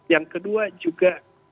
yang kedua juga